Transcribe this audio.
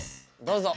どうぞ。